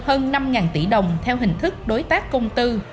tổng vốn đầu tư hơn năm triệu đồng theo hình thức đối tác công tư